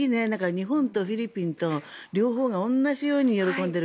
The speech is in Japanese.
日本とフィリピンと両方が同じように喜んでいる。